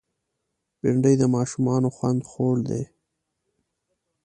بېنډۍ د ماشومانو خوند خوړ دی